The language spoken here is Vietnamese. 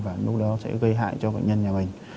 và lúc đó sẽ gây hại cho bệnh nhân nhà bệnh